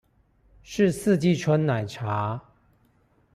是四季春奶茶